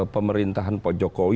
pemerintahan pak jokowi